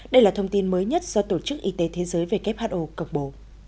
đây là thông tin mới nhất do tổ chức y tế thế giới who cập bổ